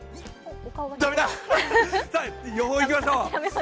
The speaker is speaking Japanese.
駄目だ予報いきましょう。